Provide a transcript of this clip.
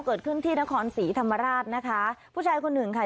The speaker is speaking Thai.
เกิดขึ้นที่นครศรีธรรมราชนะคะผู้ชายคนหนึ่งค่ะ